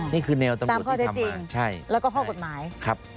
นี่คือนิวตำรวจที่ทำมา